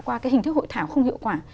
qua cái hình thức hội thảo không hiệu quả